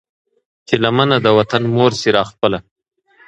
چې لمنه د وطن مور شي را خپله